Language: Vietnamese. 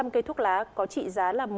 hai năm trăm linh cây thuốc lá có trị giá là